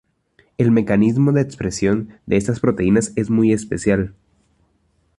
El mecanismo de expresión de estas proteínas es muy especial.